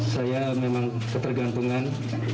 saya memang ketergantungan